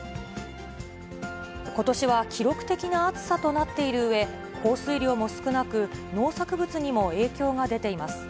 ことしは記録的な暑さとなっているうえ、降水量も少なく、農作物にも影響が出ています。